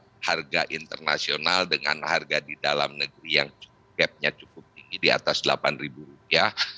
dan juga harga internasional dengan harga di dalam negeri yang gapnya cukup tinggi di atas delapan rupiah